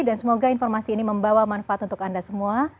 dan semoga informasi ini membawa manfaat untuk anda semua